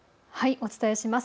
お伝えします。